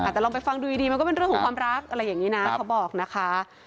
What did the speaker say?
แต่ลองไปฟังดูดีมันก็เป็นเรื่องของความรักอะไรอย่างนี้นะเขาบอกนะคะ